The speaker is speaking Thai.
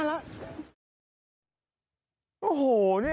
โอ้โหเนี่ยครับคุณผู้ชมครับ